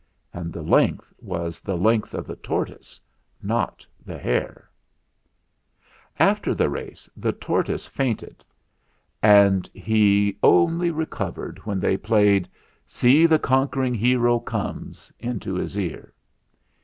And the length was the length of the tortoise, not the hare. "After the race the tortoise fainted, and he only recovered when they played 'See the con quering hero comes' into his ear.